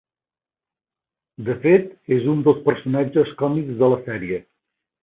De fet és un dels personatges còmics de la sèrie.